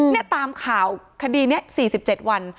นี่ตามข่าวคดีนี้๔๗วัน